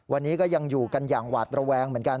วันนี้ก็ยังอยู่กันอย่างหวาดระแวงเหมือนกัน